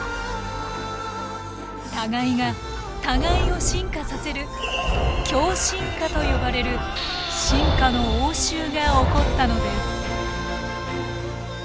互いが互いを進化させる共進化と呼ばれる進化の応酬が起こったのです。